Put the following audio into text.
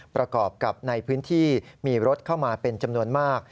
ประกอบกับในพื้นที่มีรถเข้ามาเป็นจำนวนมาก